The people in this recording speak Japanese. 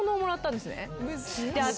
で私。